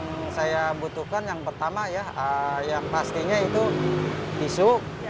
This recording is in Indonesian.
yang saya butuhkan yang pertama ya yang pastinya itu tisu